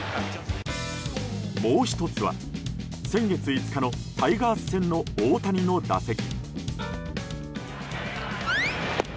もう１つは先月５日のタイガース戦の大谷の打席。